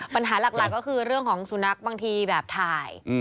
ปัญหาหลักก็คือเรื่องของสุนัขบางทีแบบถ่าย